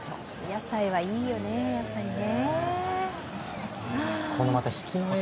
屋台はいいよね、やっぱりね。